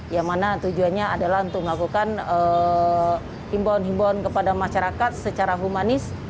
yang mana tujuannya adalah untuk melakukan himbauan himbauan kepada masyarakat secara humanis